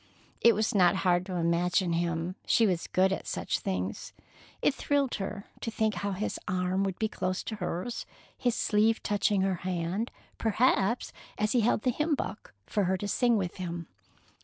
It was not hard to imagine him. She was good at such things. It thrilled her to think how his arm would be close to hers, his sleeve touching her hand, perhaps, as he held the hymn book for her to sing with him.